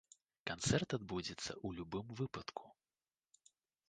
Канцэрт адбудзецца ў любым выпадку.